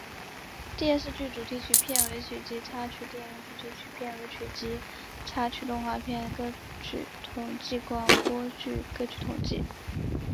电视剧主题曲片尾曲及插曲电影主题曲片尾曲及插曲动画片歌曲统计广播剧歌曲统计